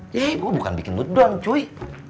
gue bukan bikin mudang cuy